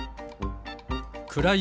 くらい